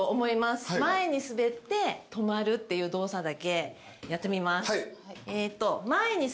前に滑って止まるっていう動作だけやってみます。